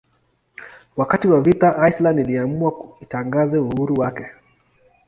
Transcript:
Wakati wa vita Iceland iliamua kutangaza uhuru wake.